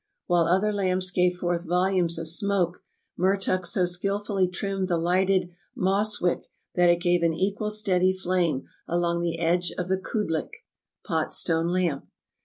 While other lamps gave forth voldmts of smoke, Mertuk so skilfully trimmed the lighted moss wick that it gave an equal steady flame along the fdge of the koodlik (pot stone lamp).